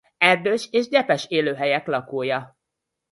Erdős és gyepes élőhelyek lakója.